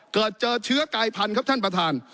เกิดเจอเชื้อกายพันธุ์ครับท่านประธาน